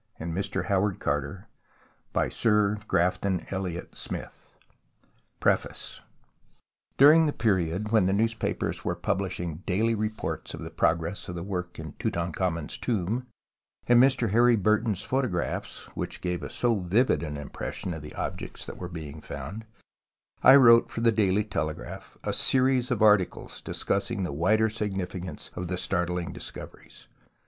120 22. The goddess Astarte borne on her lioness .. 121 PREFACE Durix(t the period when the newspapers were piibhshing daily reports of the progress of the work in Tutankhamen's tomb and INIr Harry Burton's photographs, which gave us so vivid an impression of the objects that were being found, I wrote for the Daily Telegraph a series of articles discussing the wider signifi cance of the startling discoveries.